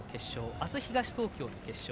明日、東東京の決勝。